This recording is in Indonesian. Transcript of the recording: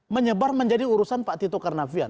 menyebar menjadi urusan pak tito karnavian